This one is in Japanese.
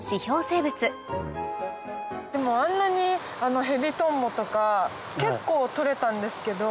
生物でもあんなにヘビトンボとか結構採れたんですけど。